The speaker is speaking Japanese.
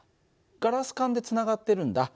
ガラス管でつながってるんだ。